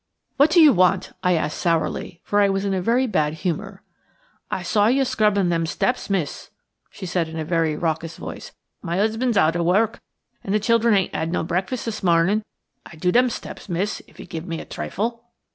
"What do you want?" I asked sourly, for I was in a very bad humour. "I saw you scrubbing them steps, miss," she replied in a raucous voice; "my 'usband is out of work, and the children hain't 'ad no breakfast this morning. I'd do them steps, miss, if you'd give me a trifle."